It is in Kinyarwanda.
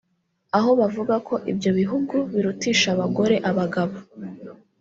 aho bavuga ko ibyo bihugu birutisha abagore abagabo